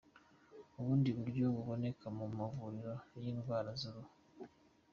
Ubundi buryo buboneka mu mavuriro y’indwara z’uruhu:.